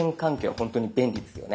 ほんとに便利ですよね。